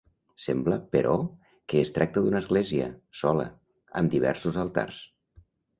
Sembla, però, que es tracta d'una església, sola, amb diversos altars.